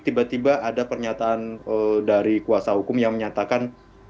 tiba tiba ada pernyataan dari kuasa hukum yang menyatakan